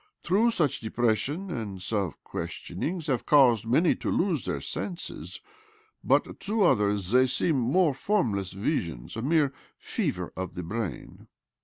True, such depression and self questionings have caused many to lose their senses ; but to others they seem mere formless visions, a mere fever of the brain."